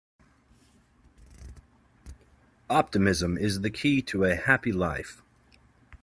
Optimism is the key to a happy life.